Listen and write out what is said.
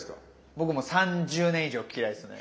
僕もう３０年以上嫌いですね。